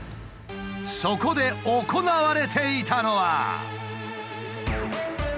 そこで行われていたのは。